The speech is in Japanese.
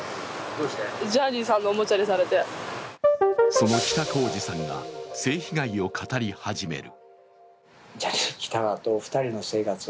その北公次さんが性被害を語り始める。